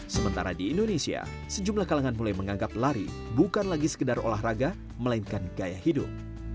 sementara di indonesia sejumlah kalangan mulai menganggap lari bukan lagi sekedar olahraga melainkan gaya hidup